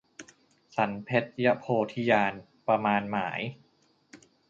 สรรเพชญโพ ธิญาณ ประมาณหมาย